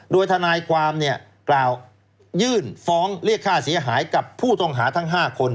โดยทนายความเนี่ยกล่าวยื่นฟ้องเรียกค่าเสียหายกับผู้ต้องหาทั้ง๕คน